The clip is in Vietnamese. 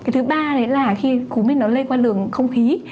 thứ ba là khi cúm lây qua lường không khí